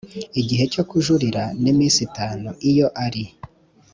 igihe cyo kujurira ni iminsi itanu iyo ari